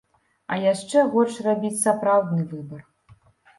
А яшчэ горш рабіць сапраўдны выбар.